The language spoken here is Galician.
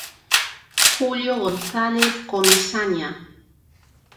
Julio González Comesaña.